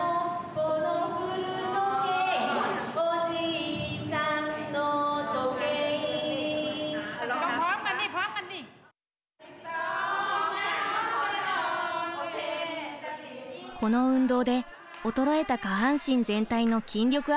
この運動で衰えた下半身全体の筋力アップができるのです。